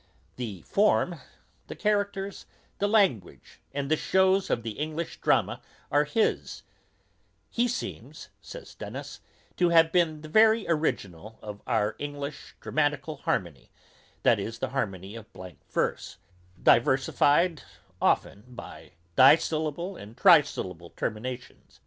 The form, the characters, the language, and the shows of the English drama are his, He seems, says Dennis, to have been the very original of our English _tragical harmony, that is, the harmony of blank verse, diversified often by dissyllable and trissyllable terminations.